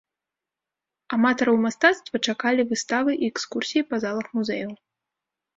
Аматараў мастацтва чакалі выставы і экскурсіі па залах музеяў.